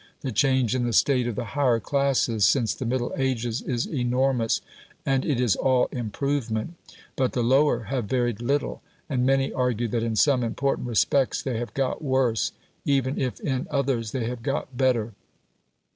The change in the state of the higher classes since the Middle Ages is enormous, and it is all improvement; but the lower have varied little, and many argue that in some important respects they have got worse, even if in others they have got better.